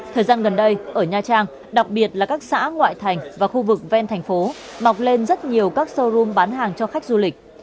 thời gian gần đây ở nha trang đặc biệt là các xã ngoại thành và khu vực ven thành phố mọc lên rất nhiều các showroom bán hàng cho khách du lịch